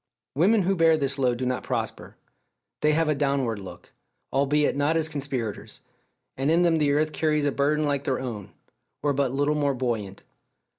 Women who bear this load do not prosper. They have a downward look, albeit not as conspirators; and in them the earth carries a burden like their own, or but little more buoyant.